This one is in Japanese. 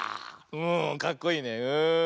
うんかっこいいねうん。